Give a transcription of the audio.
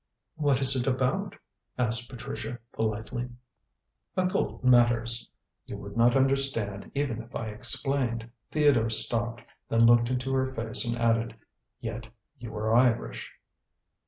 "What is it about?" asked Patricia politely. "Occult matters. You would not understand even if I explained." Theodore stopped; then looked into her face and added: "Yet you are Irish."